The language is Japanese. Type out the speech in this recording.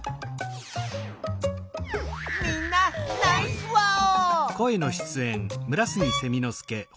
みんなナイスワオ！